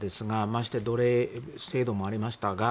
まして奴隷制度もありましたが。